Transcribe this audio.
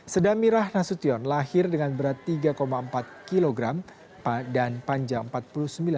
sedamirah nasution lahir dengan berat tiga empat kg dan panjang empat puluh sembilan km